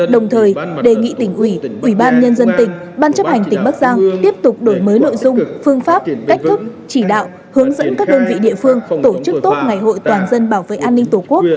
đồng thời đề nghị tỉnh ủy ủy ban nhân dân tỉnh ban chấp hành tỉnh bắc giang tiếp tục đổi mới nội dung phương pháp cách thức chỉ đạo hướng dẫn các đơn vị địa phương tổ chức tốt ngày hội toàn dân bảo vệ an ninh tổ quốc